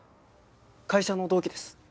会社の同期です。